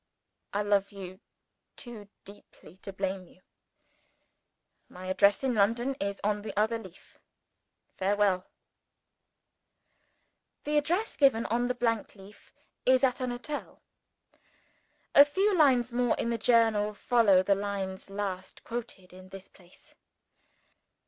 I love you too dearly to blame you. My address in London is on the other leaf. Farewell! "OSCAR." The address given on the blank leaf is at an hotel. A few lines more in the Journal follow the lines last quoted in this place.